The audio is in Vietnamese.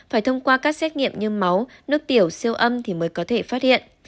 phải thông qua các xét nghiệm như máu nước tiểu siêu âm thì mới có thể phát hiện